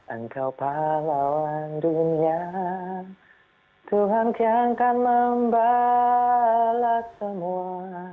engkau pahlawan dunia tuhan jangankan membalas semua